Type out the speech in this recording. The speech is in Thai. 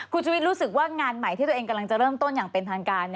คุณชุวิตรู้สึกว่างานใหม่ที่ตัวเองกำลังจะเริ่มต้นอย่างเป็นทางการ